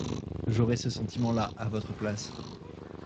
J'aurais ce sentiment-là à votre place.